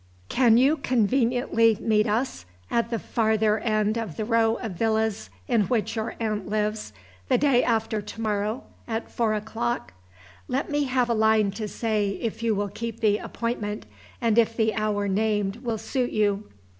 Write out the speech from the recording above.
"Can you conveniently meet us, at the further end of the row of villas in which your aunt lives, the day after to morrow, at four o'clock? Let me have a line to say if you will keep the appointment, and if the hour named will suit you.